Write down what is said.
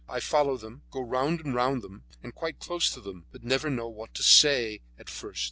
I follow them, go round and round them, and quite close to them, but never know what to say at first.